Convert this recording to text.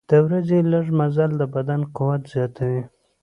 د ورځې لږ مزل د بدن قوت زیاتوي.